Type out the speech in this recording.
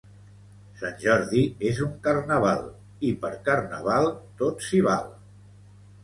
Sant Jordi és un carnaval, i per carnaval tot s'hi val.